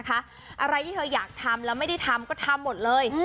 อะไรที่เธออยากทำแล้วไม่ได้ทำก็ทำหมดเลย